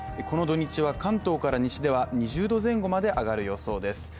この土日は関東から西では２０度前後まで上がる予想です。